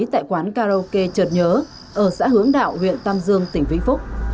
tại quán karaoke trợt nhớ ở xã hướng đạo huyện tam dương tỉnh vĩnh phúc